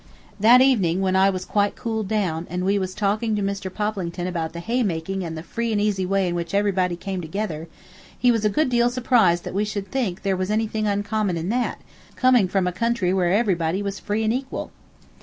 That evening, when I was quite cooled down, and we was talking to Mr. Poplington about the hay making and the free and easy way in which everybody came together, he was a good deal surprised that we should think that there was anything uncommon in that, coming from a country where everybody was free and equal.